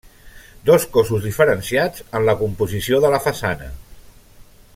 Dos cossos diferenciats, en la composició de la façana.